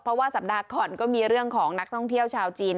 เพราะว่าสัปดาห์ก่อนก็มีเรื่องของนักท่องเที่ยวชาวจีน